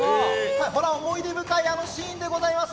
思い出深いあのシーンでございます。